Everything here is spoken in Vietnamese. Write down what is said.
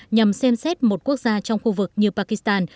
nhằm xem xét một quốc gia trong khu vực như pakistan